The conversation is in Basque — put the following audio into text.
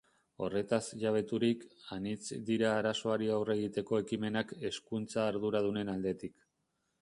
Horretaz jabeturik, anitz dira arazoari aurre egiteko ekimenak hezkuntza-arduradunen aldetik.